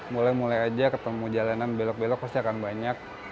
mulai mulai aja ketemu jalanan belok belok pasti akan banyak